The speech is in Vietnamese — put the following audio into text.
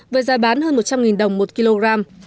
với giá bán hơn một trăm linh đồng một kg